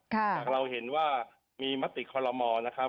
หากเราเห็นว่ามีมติคอลโลมอลนะครับ